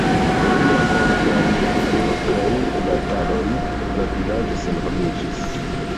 Dum la kontraŭturkaj bataloj la vilaĝoj senhomiĝis.